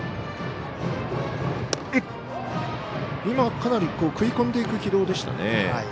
今、かなり食い込んでいく軌道でしたね。